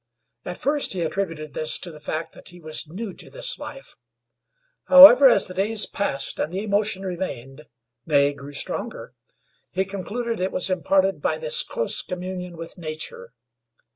At first he attributed this to the fact that he was new to this life; however, as the days passed and the emotion remained, nay, grew stronger, he concluded it was imparted by this close communion with nature.